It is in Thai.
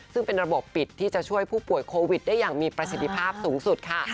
ซึ่งเป็นระบบปิดที่จะช่วยผู้ป่วยโควิดได้อย่างมีประสิทธิภาพสูงสุดค่ะ